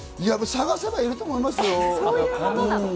探せばいると思いますよ。